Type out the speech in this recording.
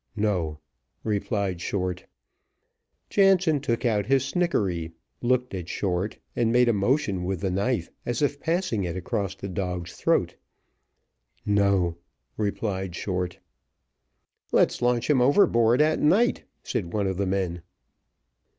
"No," replied Short. Jansen took out his snickerree, looked at Short, and made a motion with the knife, as if passing it across the dog's throat. "No," replied Short. "Let's launch him overboard at night," said one of the men.